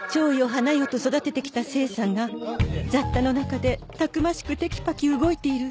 花よと育ててきた清さんが雑多の中でたくましくテキパキ動いている